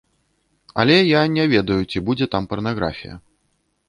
Але я не ведаю, ці будзе там парнаграфія.